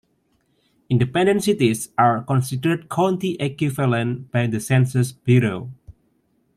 Independent cities are considered county-equivalent by the Census Bureau.